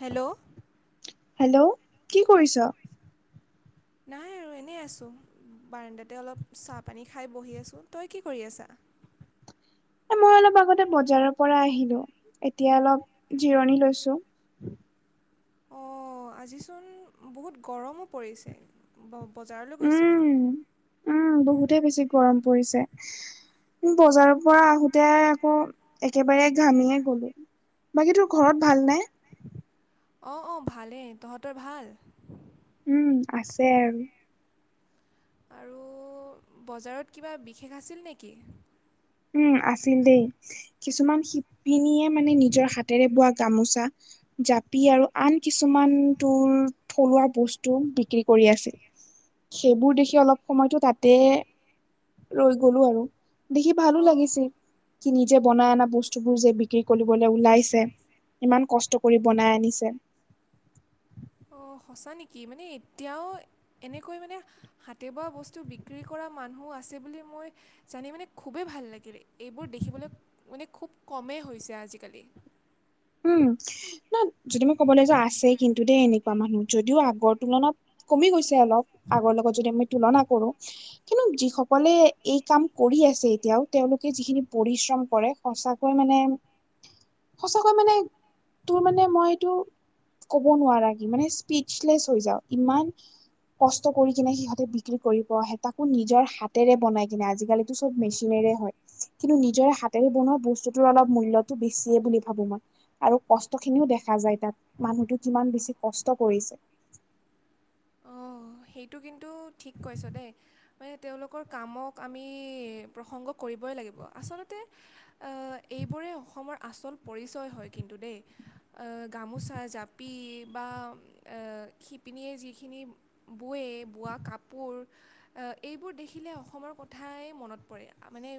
Hello. Hello কি কৰিছ? নাই আৰু এনেই আছোঁ, বাৰাণ্ডাতে অলপ চাহপানী খাই বহি আছোঁ। তই কি কৰি আছা? মই অলপ আগতে বজাৰৰ পৰা আহিলো এতিয়া অলপ জিৰণি লৈছো। অ আজিচোন বহুত গৰমো পৰিছে বজাৰলৈ গৈছিলি? উম। উম, বহুতে বেছি গৰম পৰিছে। বজাৰৰ পৰা আহোতে আকৌ একেবাৰে ঘামিয়ে গলো। বাকী তোৰ ঘৰত ভাল নাই? অ অ ভালেই। তহঁতৰ ভাল? উম, আছে আৰু। আৰু বজাৰত কিবা বিশেষ আছিল নেকি? উম আছিল দেই। কিছুমান শিপিনীয়ে মানে নিজৰ হাতেৰে বোৱা গামোচা জাপি আৰু আন কিছুমান তোৰ থলুৱা বস্তু বিক্ৰী কৰি আছিল। সেইবোৰ দেখি অলপ সময়তো তাতে ৰৈ গলো আৰু। দেখিব- ভালো অঁ লাগিছিল। কি নিজে বনাই অনা বস্তু বোৰ যে বিক্ৰী কৰিবলৈ ওলাইছে। ইমান কষ্ট কৰি বনাই আনিছে। অ সঁচা নেকি মানে এতিয়াও এনেকৈ মানে। হাতে বোৱা বস্তু বিক্ৰী কৰা মানুহ আছে বুলি মই জানি মানে খুবেই ভাল লাগিলে এইবোৰ দেখিবলৈ মানে খুব কমেই হৈছে আজিকালি। উম, ন যদি মই ক'বলে যাওঁ আছে কিন্তু দেই এনেকুৱা মানুহ যদিও আগৰ তুলনাত কমি গৈছে অলপ, আগৰ লগত যদি আমি তুলনা কৰো। কিন্তু যিসকলে এই কাম কৰি আছে এতিয়াও তেওঁলোকে যিখিনি পৰিশ্ৰম কৰে। সঁচাকৈ মানে কই মানে তোৰ মানে মই এইটো ক'ব নোৱাৰা কি মানে স্পীচলেচ হৈ যাওঁ ইমান কষ্ট কৰি কিনে সিহঁতে বিক্ৰী কৰিব আহে তাকো নিজৰ হাতেৰে বনাই কিনে আজিকালি চব মেচিনেৰে হয়। কিন্তু নিজৰে হাতেৰে বনোৱা বস্তুতৰ অলপ মূল্যতো বেছিয়ে বুলি ভাবো মই। আৰু কষ্ট খিনিও দেখা যায় তাত মানুহতো কিমান বেছি কষ্ট কৰিছে। অঁ সেইটো কিন্তু ঠিক কৈছ দেই। মানে তেওঁলোকৰ কামক আমি প্ৰসংগ কৰিবই লাগিব। আচলতে আ এইবোৰেই অসমৰ আচল পৰিচয় হয় কিন্তু দেই। আ গামোচা, জাপি বা আ শিপিনীয়ে যিখিনি বোৱে বোৱা কাপোৰ আ এইবোৰ দেখিলে অসমৰ কথাই মনত পৰে মানে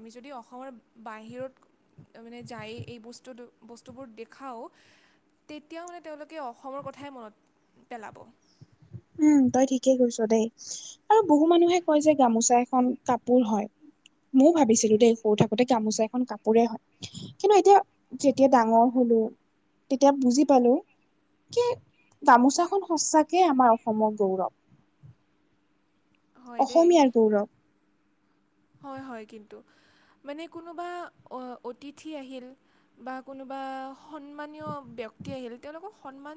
আমি যদি অসমৰ বাহিৰত তাৰ মানে যাই এই বস্তুটো বস্তুবোৰ দেখাওঁ তেতিয়াও মানে তেওঁলোকে অসমৰ কথাই মনত পেলাব। উম তই ঠিকেই কৈছ দেই। আৰু বহু মানুহে কয় যে গামোচা এখন কাপোৰ হয়। মও ভাবিছিলো দেই সৰু থাকোতে গামোচা এখন কাপোৰে হয়। কিন্তু এতিয়া যেতিয়া ডাঙৰ হ'লো তেতিয়া বুজি পালো। কি গামোচাখন সঁচাকে আমাৰ অসমৰ গৌৰৱ। হয় দেই অসমীয়াৰ গৌৰৱ। হয় হয় কিন্তু, মানে কোনোবা অতিথি আহিল বা কোনোবা সন্মানীয় ব্যক্তি আহিল, তেওঁলোকক সন্মান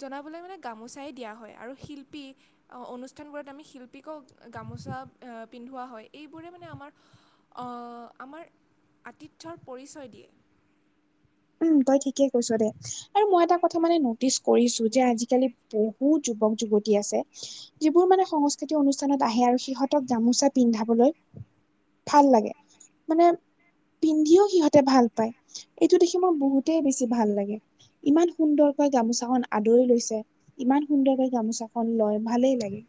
জনাবলৈ মানে গামোচাই দিয়া হয়। আৰু শিল্পী অ অনুষ্ঠানবোৰত আমি শিল্পীকো গামোচা আ পিন্ধোৱা হয়। এই বোৰে মানে আমাৰ অ আমাৰ আতিথ্যৰ পৰিচয় দিয়ে। উম তই ঠিকেই কৈছ দে আৰু মই এটা কথা মানে নটিচ কৰিছো যে আজি-কালি বহু বহুত যুৱক-যুৱতী আছে যিবোৰ মানে সংস্কৃতি অনুষ্ঠানত আহে আৰু সিহঁতক গামোচা পিন্ধাবলৈ ভাল লাগে। মানে পিন্ধিও সিহঁতে ভাল পায়। এ এইটো দেখি মোৰ বহুতেই বেছি ভাল লাগে। ইমান সুন্দৰকৈ গামোচাখন আদৰি লৈছে। ইমান সুন্দৰকৈ গামোচাখন লয় ভালেই লাগে।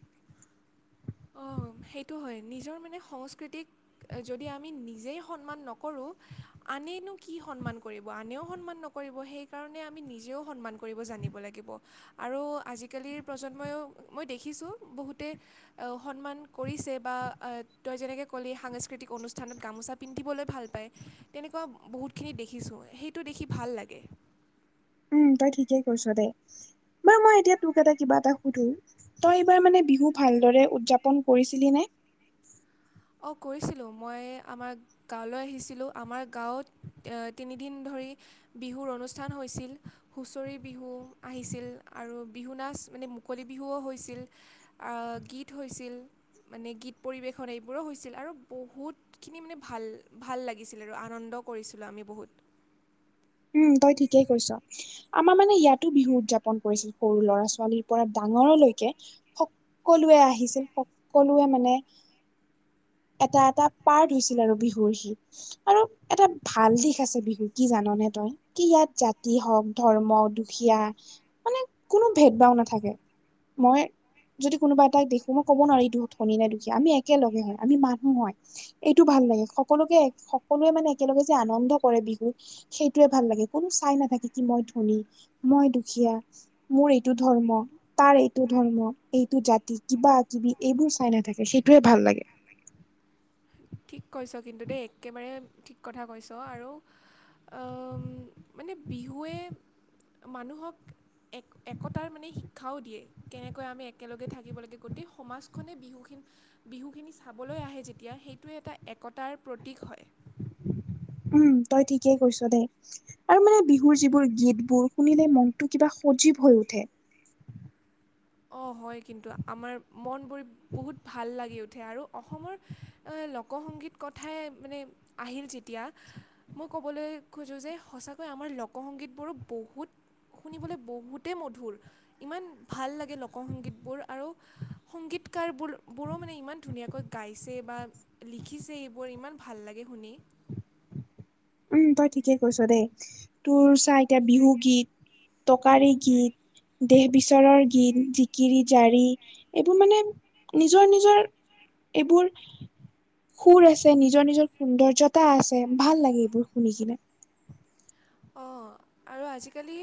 অ সেইটো হয়। নিজৰ মানে সংস্কৃতিক যদি আমি নিজেই সন্মান নকৰোঁ আনেনো কি সন্মান কৰিব, আনেও সন্মান নকৰিব। সেইকাৰণে আমি নিজেও সন্মান কৰিব জানিব লাগিব। আৰু আজি-কালিৰ প্ৰজন্মইও মই দেখিছোঁ বহুতে সন্মান কৰিছে বা তই যেনেকৈ ক'লি সাংস্কৃতিক অনুষ্ঠানত গামোচা পিন্ধিবলৈ ভাল পায়। তেনেকুৱা বহুতখিনি দেখিছোঁ। সেইটো দেখি ভাল লাগে। উম, তই ঠিকেই কৈছ দে। বাও মই এতিয়া তোক এটা কিবা এটা সুধো। তই এইবাৰ মানে বিহু ভালদৰে উদ্‌যাপন কৰিছিলি নে? অ কৰিছিলোঁ, মই আমাৰ গাঁৱলৈ আহিছিলোঁ। আমাৰ গাঁৱত এ তিনিদিন ধৰি বিহুৰ অনুষ্ঠান হৈছিল। হুঁচৰি বিহু আহিছিল আৰু বিহু নাচ মানে মুকলি বিহুও হৈছিল। আ গীত হৈছিল, মানে গীত পৰিৱেশন এই বোৰো হৈছিল আৰু বহুতখিনি মানে ভাল ভাল লাগিছিল আৰু আনন্দ কৰিছিলোঁ আমি বহুত। উম তই ঠিকেই কৈছ। আমাৰ মানে ইয়াতো বিহু উদ্‌যাপন কৰিছিল। সৰু ল'ৰা-ছোৱালীৰ পৰা ডাঙৰলৈকে সকলোৱে আহিছিল। সকলোৱে মানে এটা এটা পাৰ্ট হৈছিল আৰু বিহুৰ সি। আৰু এটা ভাল দিশ আছে বিহুৰ, কি জাননে তই? কি ইয়াত জাতি হওঁক ধৰ্ম, দুখীয়া মানে কোনো ভেদ ভাও নাথাকে। মই যদি কোনোবা এটাক দেখো মই ক'ব নোৱাৰো এইটো ধনী নে দুখীয়া। আমি একেলগে হয়। আমি মানুহ হয় এইটো ভাল লাগে। সকলোকে সকলোৱে মানে একেলগে যে আনন্দ কৰে বিহুত। সেইটোৱে ভাল লাগে। কোনো চাই নাথাকে কি মই ধনী মই দুখীয়া। মোৰ এইটো ধৰ্ম তাৰ এইটো ধৰ্ম, এইটো জাতি, কিবা-কিবি এইবোৰ চাই নাথাকে। সেইটোৱে ভাল লাগে। ঠিক কৈছ কিন্তু দেই। একেবাৰে ঠিক কথা কৈছ আৰু আম মানে বিহুৱে মানুহক এক একতাৰ মানে শিক্ষাও দিয়ে। কেনেকৈ আমি একেলগে থাকিব লাগে গোটেই সমাজখনে বিহুখিন- বিহুখিনি চাবলৈ আহে যেতিয়া সেইটোৱে এটা একতাৰ প্ৰতীক হয়। উম তই ঠিকেই কৰিছ দে। আৰু মানে বিহুৰ যিবোৰ গীতবোৰ শুনিলে মনটো কিবা সজীৱ হৈ উঠে। অ হয় কিন্তু আমাৰ মনবোৰ বহুত ভাল লাগি উঠে আৰু। অসমৰ লোকসংগীত কথাই মানে আহিল যেতিয়া। মই ক'বলৈ খোজোঁ যে সঁচাকৈ আমাৰ লোকসংগীতবোৰো বহুত- শুনিবলৈ বহুতেই মধুৰ ইমান ভাল লাগে লোকসংগীতবোৰ আৰু- সংগীতকাৰবোৰো মানে ইমান ধুনীয়াকৈ গাইছে বা- লিখিছে এইবোৰ ইমান ভাল লাগে শুনি- উম তই ঠিকেই কৈছ দেই তোৰ চা এতিয়া বিহুগীত, টকাৰী গীত- দেহ বিচাৰৰ গীত, জিকিৰি জাৰি এইবোৰ মানে- নিজৰ নিজৰ এইবোৰ- সুৰ আছে নিজৰ নিজৰ সুন্দৰ্যতা আছে ভাল লাগে এইবোৰ শুনি কিনে- অ আৰু আজিকালি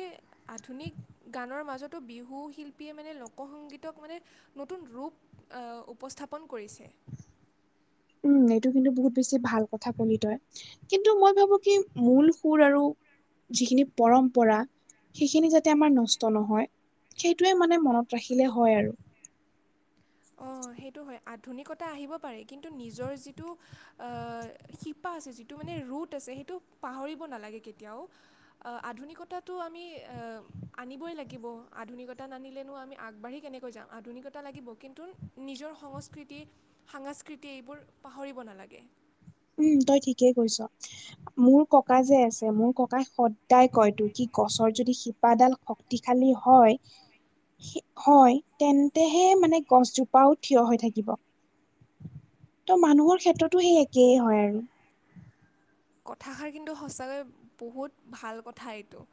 আধুনিক- গানৰ মাজতো বিহু শিল্পীয়ে মানে লোকসংগীতক মানে নতুন ৰূপ- উপস্থাপন কৰিছে। উম এইটো কিন্তু বহুত বেছি ভাল কথা কলি তই। কিন্তু মই ভাবো কি মূল সুৰ আৰু যিখিনি পৰম্পৰা- সেইখিনি যাতে আমাৰ নষ্ট নহয় সেইটোৱে মানে মনত ৰাখিলে হয় আৰু। অ সেইটো হয় আধুনিকতা আহিব পাৰে কিন্তু নিজৰ যিটো আহ শি- পা আছে যিটো মানে ৰুট আছে সেইটো পাহৰিব নালাগে কেতিয়াও- আধুনিকতাটো আমি- আনিবই লাগিব আধুনিকতা নানিলেনো আমি আগবাঢ়ি কেনেকৈ যাম আধুনিকতা লাগিব কিন্- তুন নিজৰ সংস্কৃতি, সাংস্কৃতি এইবোৰ পাহৰিব নালাগে। উম তই ঠিকেই কৈছ। মোৰ ককা যে আছে মোৰ ককাই সদায় কয় তোৰ কি গছৰ যদি শি- পাডাল শক্তিশালী হয়। হয় তেন্তে হে মানে গছজোপাও থিয় হৈ থাকিব। ত মানুহৰ ক্ষেত্ৰতো সেই একেই হয় আৰু। কথাষাৰ কিন্তু সঁচাকৈ বহুত ভাল কথা এইটো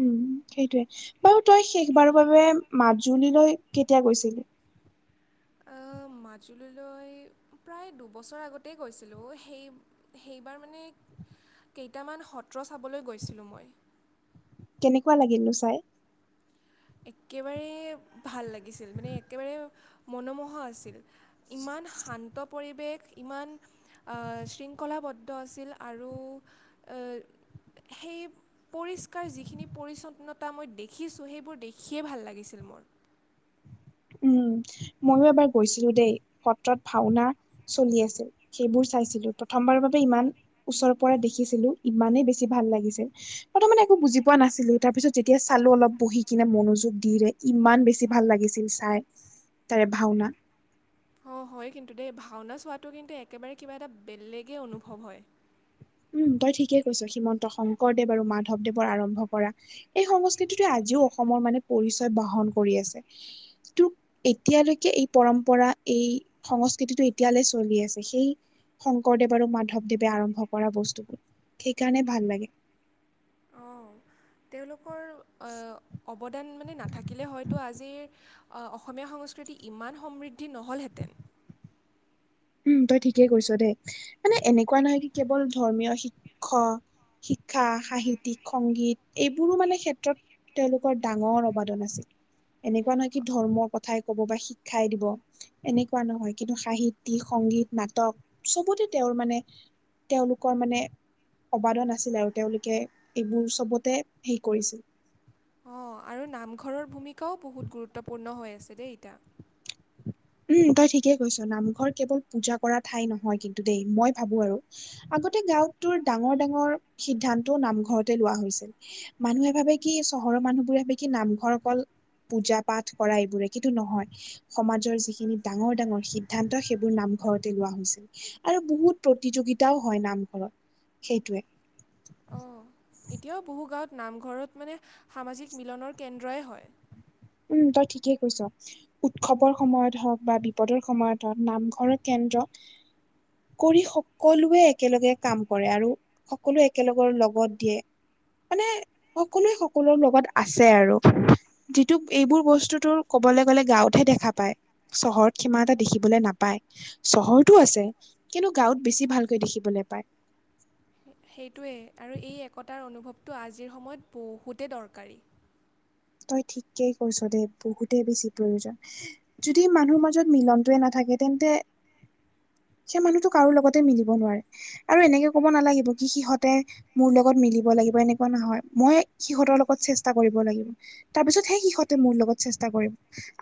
উম সেইটোৱেই বাৰু তই শেষবাৰৰ বাবে মাজুলীলৈ কেতিয়া গৈছিলি অহ মাজুলীলৈ প্ৰায় দুবছৰ আগতেই গৈছিলোঁ সেই সেইবাৰ মানে- কেইটামান সত্ৰ চাবলৈ গৈছিলোঁ মই। কেনেকুৱা লাগিলনো চাই? একেবাৰে ভাল লাগিছিল মানে একেবাৰে মনোমোহা আছিল। ইমান শান্ত পৰিৱেশ ইমান- আ শৃংখলাবদ্ধ আছিল আৰু- সেই পৰিষ্কাৰ যিখিনি পৰিচ্ছন্নতা মই দেখিছোঁ সেইবোৰ- দেখিয়েই ভাল লাগিছিল মোৰ উম ময়ো এবাৰ গৈছিলোঁ দেই সত্ৰত ভাওনা চলি আছিল সেইবোৰ চাইছিলো প্ৰথমবাৰৰ বাবে ইমান ওচৰৰ পৰা দেখিছিলোঁ ইমানেই বেছি ভাল লাগিছিল প্ৰথমতে একো বুজি পোৱা নাছিলোঁ তাৰ পিছত যেতিয়া চালো অলপ বহি কিনে মনোযোগ দিৰে ইমান বেছি ভাল লাগিছিল চাই তাৰে ভাওনা অ হয় কিন্তু দেই ভাওনা চোৱাটো কিন্তু একেবাৰে কিবা এটা বেলেগেই অনুভৱ হয়। উম তই ঠিকেই কৈছ শ্ৰীমন্ত শংকৰদেৱ আৰু মাধৱদেৱৰ আৰম্ভ কৰা এই সংস্কৃতিটোৱেই আজিও অসমৰ মানে পৰিচয় বহন কৰি আছে তোক [unintelligible] এতিয়ালৈকে এই পৰম্পৰা এই সংস্কৃতিটো এতিয়ালে চলি আছে সেই শংকৰদেৱ আৰু মাধৱদেৱে আৰম্ভ কৰা বস্তুবোৰ সেইকাৰণে ভাল লাগে। অ, তেওঁলোকৰ অ, অৱদান মানে নাথাকিলে হয়তো আজিৰ অ, অসমীয়া সংস্কৃতি ইমান সমৃদ্ধি নহ'লহেঁতেন। উম, তই ঠিকেই কৈছ দে মানে এনেকুৱা নহয় কি কেৱল ধৰ্মীয় শিক্ষ শিক্ষা, সাহিত্যিক, সংগীত এইবোৰো মানে ক্ষেত্ৰত তেওঁলোকৰ ডাঙৰ অবাদন আছে। এনেকুৱা নহয় কি ধৰ্মৰ কথাই কব বা শিক্ষাই দিব এনেকুৱা নহয় কিন্তু সাহিত [unintelligible] সংগীত নাটক চবতে তেওঁৰ মানে তেওঁলোকৰ মানে অবাদন আছিল আৰু তেওঁলোকে এইবোৰ চবতে হেই কৰিছিল। অ, আৰু নামঘৰৰ ভূমিকাও বহুত গুৰুত্বপূৰ্ণ হৈ আছে দেই এতা। উম, তই ঠিকেই কৈছ নামঘৰ কেৱল পূজা কৰা ঠাই নহয় কিন্তু দেই মই ভাবো আৰু। আগতে গাঁওত তুৰ ডাঙৰ -ডাঙৰ সিদ্ধান্তও নামঘৰতে লোৱা হৈছিল। মানুহে ভাবে কি চহৰৰ মানুহ বোৰে ভাবে কি নামঘৰ অকল পূজা- পাঠ কৰা এইবোৰে কিন্তু নহয় সমাজৰ যি [unintelligible] ডাঙৰ- ডাঙৰ সিদ্ধান্ত সেইবোৰ নামঘৰতে লোৱা হৈছিল। আৰু বহুত প্ৰতিযোগিতাও হয় নামঘৰত সেইটোৱে। অ, এতিয়াও বহু গাঁৱত নামঘৰত মানে সামাজিক মিলনৰ কেন্দ্ৰই হয়। উম, তই ঠিকেই কৈছ উৎসৱৰ সময়ত হওঁক বা বিপদৰ সময়ত হওঁক নামঘৰৰ কেন্দ্ৰ কৰি সকলোৱে একেলগে কাম কৰে আৰু সকলোৱে একেলগৰ লগত দিয়ে মানে সকলোৱে- সকলোৰ লগত আছে আৰু। টোপ এইবোৰ বস্তু তোৰ ক'বলে গ'লে গাঁৱতহে দেখা পায় চহৰত সীমান এটা দেখিবলৈ নাপায়। চহৰতো আছে কিন্তু গাঁৱত বেছি ভালকৈ দেখিবলৈ পায়। সেইটোৱেই আৰু এই একতাৰ অনুভৱটো আজিৰ সময়ত বহুতেই দৰকাৰী। তই ঠিকৈই কৈছ দে বহুতেই বেছি প্ৰয়োজন। যদি মানুহ মাজত মিলনটোৱে নাথাকে তেন্তে সেই মানুহটো কাৰো লগতে মিলিব নোৱাৰে আৰু এনেকে ক'ব নালাগিব কি সিহঁতে মোৰ লগত মিলিব লাগিব এনেকুৱা নহয় মই সিহঁতৰ লগত চেষ্টা কৰিব লাগিব। তাপিছত সে সিহঁতে মোৰ লগত চেষ্টা কৰিম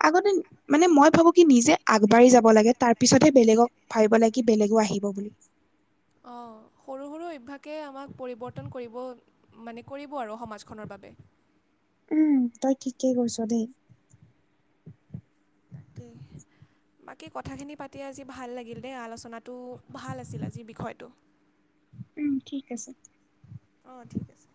আগতেন মানে মই ভাবো কি নিজে আগবাঢ়ি যাব লাগে তাৰ পিছতহে বেলেগক ভাবিব লাগে কি বেলেগো আহিব বুলি। সৰু-সৰু অভ্যাসে আমাক পৰিৱৰ্তন কৰিব মানে কৰিব আৰু সমাজখনৰ বাবে। উম, তই ঠিকেই কৈছ দে। [unintelligible] বাকী কথাখিনি পাতি আজি ভাল লাগিল দেই আলোচনাত টো ভাল আছিল আজিৰ বিষয়টো। উম, ঠিক আছে। অ, ঠিক আছে।